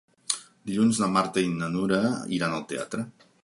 Dilluns na Marta i na Nura iran al teatre.